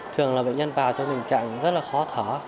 thường là bệnh nhân vào trong tình trạng rất là khó thở